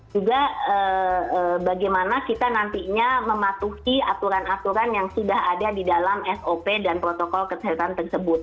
juga bagaimana kita nantinya mematuhi aturan aturan yang sudah ada di dalam sop dan protokol kesehatan tersebut